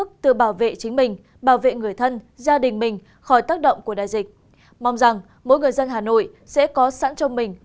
cảm ơn quý vị khán giả đã quan tâm theo dõi